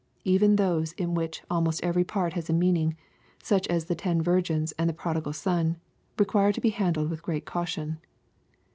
Even those in which almost every part has a meaning, such as the ten virgins and the prodigal son, require to be handled with great caution.